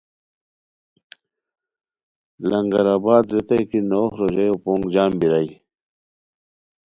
لنگر آباد ریتائے کی نوغ روژایو پونگ جم بیرائے